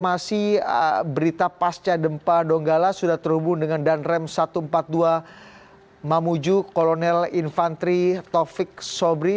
masih berita pasca gempa donggala sudah terhubung dengan danrem satu ratus empat puluh dua mamuju kolonel infantri taufik sobri